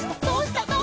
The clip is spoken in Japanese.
「どうした？」